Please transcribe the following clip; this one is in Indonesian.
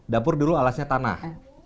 dapur dulu alasnya tanah